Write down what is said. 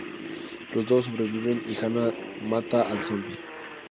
Los dos sobreviven, y Hanna mata al zombi.